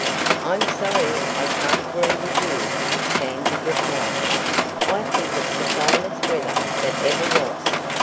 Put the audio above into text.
"I'm sorry I can't agree with you," Sandy replied. "I think it's the finest weather that ever was."